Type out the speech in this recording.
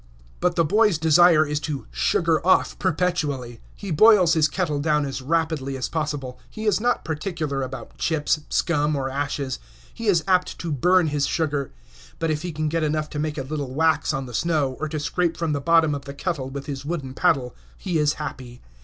But the boy's desire is to "sugar off" perpetually. He boils his kettle down as rapidly as possible; he is not particular about chips, scum, or ashes; he is apt to burn his sugar; but if he can get enough to make a little wax on the snow, or to scrape from the bottom of the kettle with his wooden paddle, he is happy.